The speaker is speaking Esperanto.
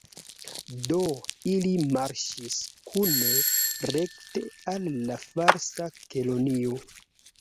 Do, ili marŝis kune rekte al la Falsa Kelonio.